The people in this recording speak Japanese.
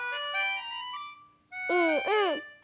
うんうん。